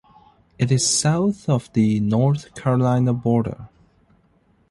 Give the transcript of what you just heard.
It is south of the North Carolina border.